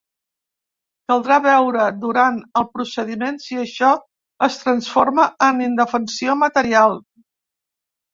Caldrà veure durant el procediment si això es transforma en indefensió material.